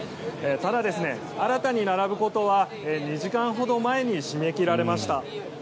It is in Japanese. ただ、新たに並ぶことは２時間ほど前に締め切られました。